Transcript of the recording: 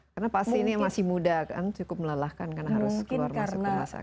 karena pasti ini masih muda kan cukup melelahkan karena harus keluar masuk rumah sakit